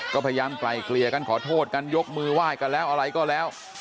ก็พยายามไกลเกลี่ยกันขอโทษกันยกมือไหว้กันแล้วอะไรก็แล้ว